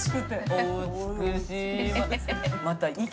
お美しいわ。